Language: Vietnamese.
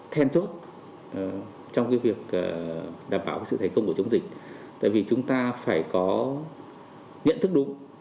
then chốt trong việc đảm bảo sự thành công của chống dịch tại vì chúng ta phải có nhận thức đúng